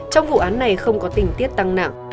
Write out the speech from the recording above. trong vụ án này không có tình tiết tăng nặng